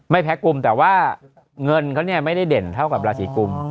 แพ้กลุ่มแต่ว่าเงินเขาเนี่ยไม่ได้เด่นเท่ากับราศีกุม